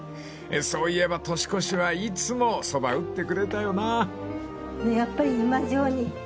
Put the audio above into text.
［そういえば年越しはいつもそば打ってくれたよな］